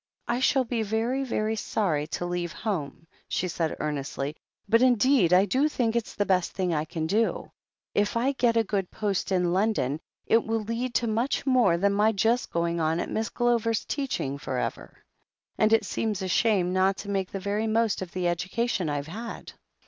"I shall be very, very sorry to leave home," she said earnestly. "But indeed I do think it's the best thing I can do. If I get a good post in London, it will lead to much more than my just going on at Miss Glover's, teaching, for ever. And it seems a shame not to make the very most of the education I've had."